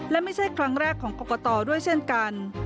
และไม่ใช่ครั้งแรกของกรกตด้วยเช่นกัน